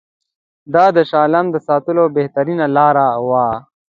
دا د شاه عالم د ساتلو بهترینه لاره وه.